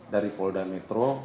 dari polda metro untuk